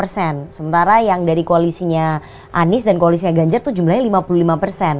sementara yang dari koalisinya anies dan koalisinya ganjar itu jumlahnya lima puluh lima persen